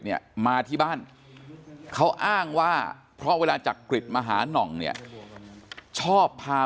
เนี่ยมาที่บ้านเขาอ้างว่าเพราะเวลาจักริตมาหาน่องเนี่ยชอบพา